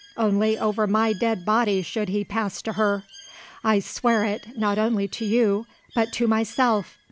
Only over my dead body should he pass to her. I swear it, not only to you, but to myself.